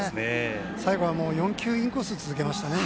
最後は４球インコース続けましたね。